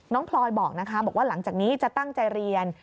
พลอยบอกนะคะบอกว่าหลังจากนี้จะตั้งใจเรียน